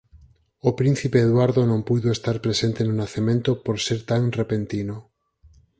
O príncipe Eduardo non puido estar presente no nacemento por ser tan repentino.